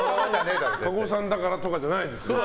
加護さんだからとかじゃないです。